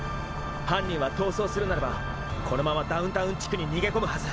犯人は逃走するならばこのままダウンタウン地区に逃げ込むはず。